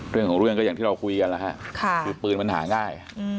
เรื่องของเรื่องก็อย่างที่เราคุยกันแล้วฮะคือปืนมันหาง่าย